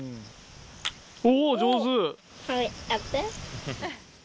おお上手！